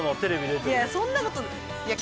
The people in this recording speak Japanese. いやそんなこといや。